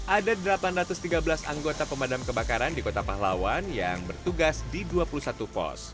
ada delapan ratus tiga belas anggota pemadam kebakaran di kota pahlawan yang bertugas di dua puluh satu pos